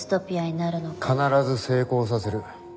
必ず成功させる。